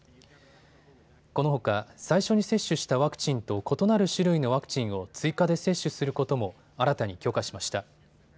このほか最初に接種したワクチンと異なる種類のワクチンを追加で接種することも新たに許可しました。